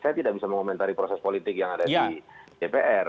saya tidak bisa mengomentari proses politik yang ada di dpr